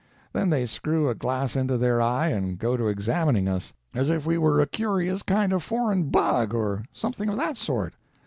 Then they screw a glass into their eye and go to examining us, as if we were a curious kind of foreign bug, or something of that sort.